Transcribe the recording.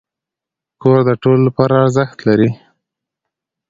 کور د ټولو لپاره ارزښت لري.